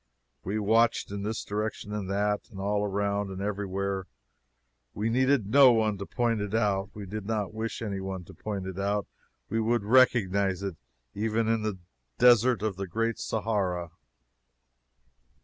We watched in this direction and that all around everywhere. We needed no one to point it out we did not wish any one to point it out we would recognize it even in the desert of the great Sahara.